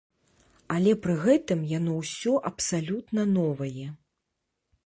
Але пры гэтым яно ўсё абсалютна новае.